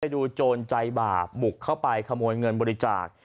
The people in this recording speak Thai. ดูโจรใจบาปบุกเข้าไปขโมยเงินบริจาค